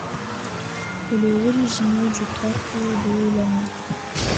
Il est originaire du plateau de Langres.